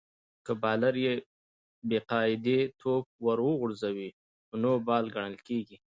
که بالر بې قاعدې توپ ور وغورځوي؛ نو نو بال ګڼل کیږي.